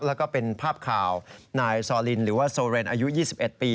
แล้วก็เป็นภาพข่าวนายซอลินหรือว่าโซเรนอายุ๒๑ปี